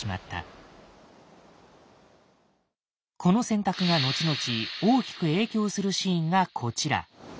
この選択が後々大きく影響するシーンがこちら。